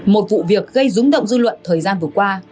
một vụ việc gây rúng động dư luận thời gian vừa qua